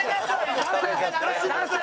出せ！